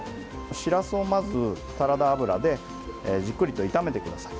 しらすを、まずサラダ油でじっくりと炒めてください。